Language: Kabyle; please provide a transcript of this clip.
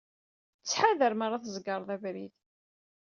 Ttḥadar mi ara tzegred abrid.